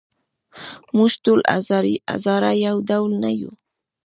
موږ ټول هزاره یو ډول نه یوو.